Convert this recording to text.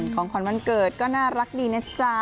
ของขวัญวันเกิดก็น่ารักดีนะจ๊ะ